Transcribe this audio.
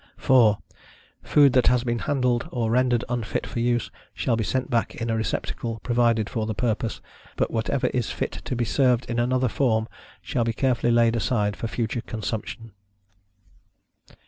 4. Food that has been handled, or rendered unfit for use, shall be sent back in a receptacle provided for the purpose, but whatever is fit to be served in another form shall be carefully laid aside for future consumption.